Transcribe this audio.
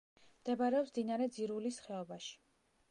მდებარეობს მდინარე ძირულის ხეობაში.